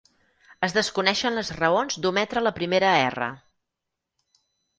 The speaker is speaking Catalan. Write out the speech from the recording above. Es desconeixen les raons d'ometre la primera "r".